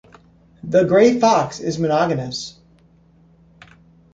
The gray fox is monogamous.